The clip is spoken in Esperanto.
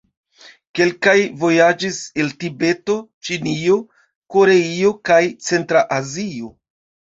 Kelkaj vojaĝis el Tibeto, Ĉinio, Koreio kaj centra Azio.